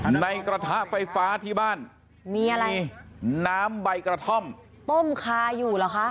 ในกระทะไฟฟ้าที่บ้านมีอะไรน้ำใบกระท่อมต้มคาอยู่เหรอคะ